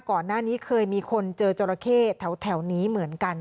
ก่อนหน้านี้เคยมีคนเจอจราเข้แถวนี้เหมือนกัน